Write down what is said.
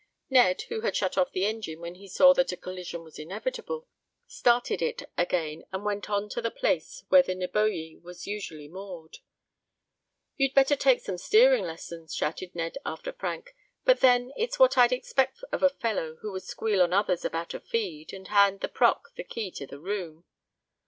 Ned, who had shut off the engine when he saw that a collision was inevitable, started it again, and went on to the place where the Neboje was usually moored. "You'd better take some steering lessons," shouted Ned after Frank. "But then it's what I'd expect of a fellow who would squeal on others about a feed, and hand the proc the key to the room."